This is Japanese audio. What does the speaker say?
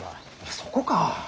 そこか。